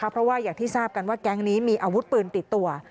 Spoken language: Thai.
เพราะว่าอย่างที่ทราบกันว่าแก๊งนี้มีอาวุธปืนติดตัว